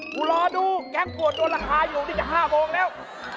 รอดูแก๊งปวดโดนราคาอยู่นี่จะ๕โมงแล้ว